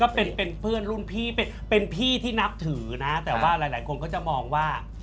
เป็นเป็นเพื่อนรุ่นพี่เป็นพี่ที่นับถือนะแต่ว่าหลายคนก็จะมองว่า